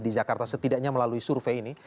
di jakarta setidaknya melalui survei ini